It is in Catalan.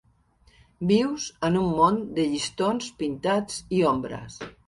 Vius en un món de llistons pintats i ombres.